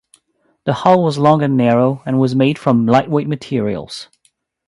The hull was long and narrow and was made from lightweight materials.